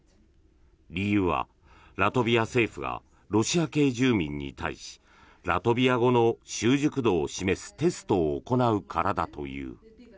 理由は、ラトビア政府がロシア系住民に対しラトビア語の習熟度を示すテストを行うからだという。